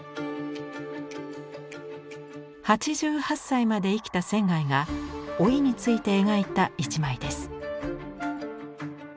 ８８歳まで生きた仙が「老い」について描いた一枚です。